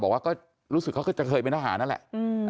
บอกว่าก็รู้สึกเขาก็จะเคยเป็นทหารนั่นแหละ